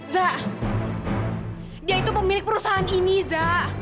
zaa dia itu pemilik perusahaan ini zaa